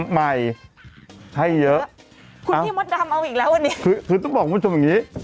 ให้เยอะคุณพี่เอาอีกแล้วว่านี้คือคือศักดิ์บอกคุณผู้ชมอย่างงี้